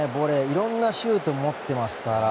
いろんなシュートを持っていますから。